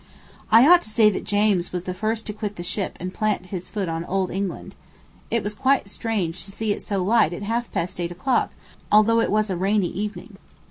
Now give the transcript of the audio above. I ought to say that James was the first to quit the ship and plant his foot on Old England. It was quite strange to see it so light at half past eight o'clock, although it was a rainy evening.